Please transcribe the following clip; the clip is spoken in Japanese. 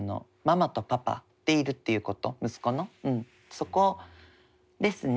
そこですね。